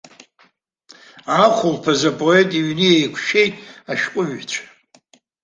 Ахәылԥаз апоет иҩны еиқәшәеит ашәҟәыҩҩцәа.